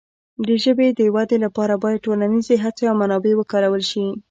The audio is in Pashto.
د ژبې د وده لپاره باید ټولنیزې هڅې او منابع وکارول شي.